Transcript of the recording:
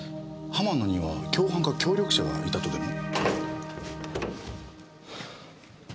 浜野には共犯か協力者がいたとでも？